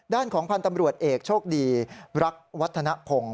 ด้านของพันธ์ตำรวจเอกโชคดีรักวัฒนภง